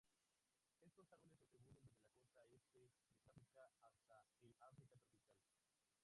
Estos árboles se distribuyen desde la costa este de Sudáfrica hasta el África tropical.